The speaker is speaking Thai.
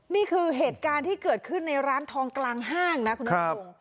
นี่คือเหตุการณ์ที่เกิดขึ้นในร้านทองกลางห้างนะคุณนัทพงศ์